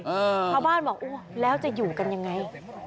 ชาวบ้านบอกโอ้แล้วจะอยู่กันยังไง